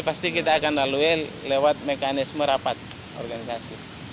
pasti kita akan lalui lewat mekanisme rapat organisasi